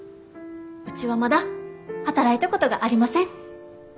うちはまだ働いたことがありません。